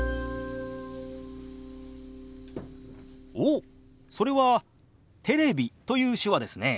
おっそれは「テレビ」という手話ですね。